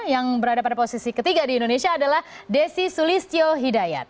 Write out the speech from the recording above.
yang berada pada posisi ketiga di indonesia adalah desi sulistyo hidayat